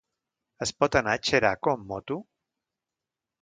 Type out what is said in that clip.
Es pot anar a Xeraco amb moto?